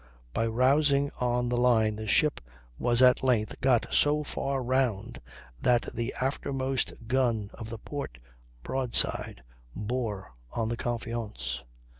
By rousing on the line the ship was at length got so far round that the aftermost gun of the port broadside bore on the Confiance.